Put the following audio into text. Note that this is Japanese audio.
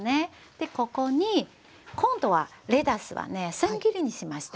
でここに今度はレタスはねせん切りにしました。